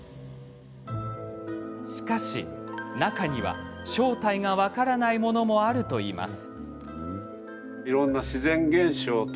しかし、中には正体が分からないものもあるといいます。